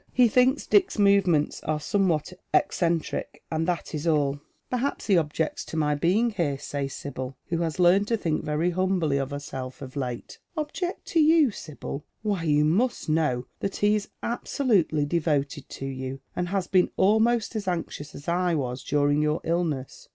He thinks Dick's movements are somewhat eccentric, and that is all. " Perhaps he objects to my being here," says Sibyl, whe nas learned to think very humbly of herself of late. " Object to you, Sib^^l ! Wliy you must know txiat he is absolutely devoted to you, and has been almost as nnxious as I was during your illness.